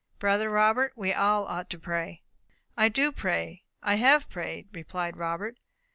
Brother Robert, we all ought to pray." "I do pray I have prayed," replied Robert.